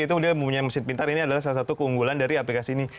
itu dia mempunyai mesin pintar ini adalah salah satu keunggulan dari aplikasi ini